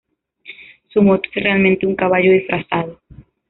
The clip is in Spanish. Su moto es realmente un caballo disfrazado.